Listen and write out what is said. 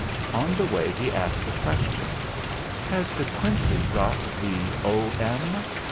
On the way he asked a question. "Has De Quincey got the 'O.M.'?"